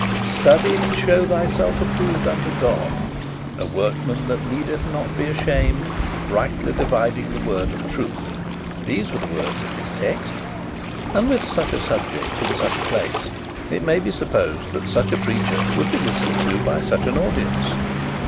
'Study to show thyself approved unto God, a workman that needeth not to be ashamed, rightly dividing the word of truth.' These were the words of the text, and with such a subject in such a place, it may be supposed that such a preacher would be listened to by such an audience.